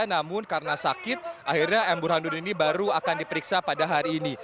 namun karena sakit akhirnya m burhanuddin ini baru akan diperiksa pada hari ini